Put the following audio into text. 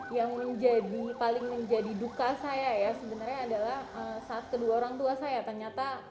yang menjadi paling menjadi duka saya ya sebenarnya adalah saat kedua orang tua saya ternyata